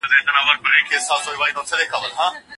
زه د شپې په وخت کې تل ټیلیفون نه ګورم.